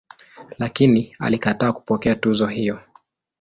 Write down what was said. Lakini alikataa kupokea tuzo hiyo.